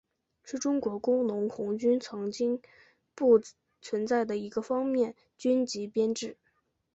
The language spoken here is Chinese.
是中国工农红军曾经存在的一个方面军级编制。